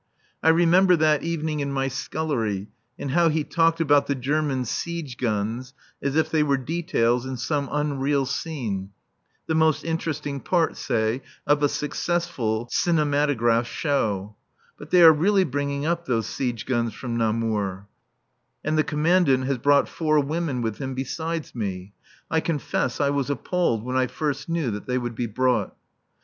I remember that evening in my scullery, and how he talked about the German siege guns as if they were details in some unreal scene, the most interesting part, say, of a successful cinematograph show. But they are really bringing up those siege guns from Namur. And the Commandant has brought four women with him besides me. I confess I was appalled when I first knew that they would be brought.